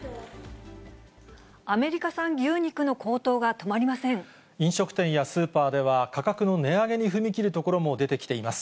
アメリカ産牛肉の高騰が止ま飲食店やスーパーでは、価格の値上げに踏み切るところも出てきています。